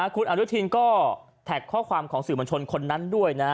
คุณอนุทินก็แท็กข้อความของสื่อมวลชนคนนั้นด้วยนะ